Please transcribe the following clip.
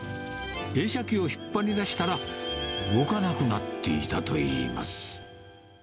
映写機を引っ張り出したら、動かなくなっていたといいます。